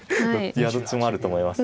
いやどっちもあると思います。